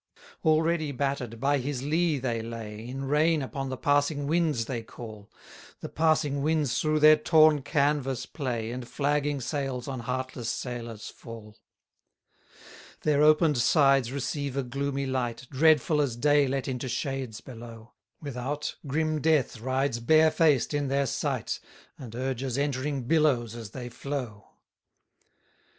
128 Already batter'd, by his lee they lay, In rain upon the passing winds they call: The passing winds through their torn canvas play, And flagging sails on heartless sailors fall. 129 Their open'd sides receive a gloomy light, Dreadful as day let into shades below: Without, grim Death rides barefaced in their sight, And urges entering billows as they flow.